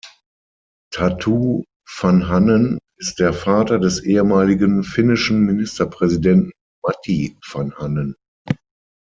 Tatu Vanhanen ist der Vater des ehemaligen finnischen Ministerpräsidenten Matti Vanhanen.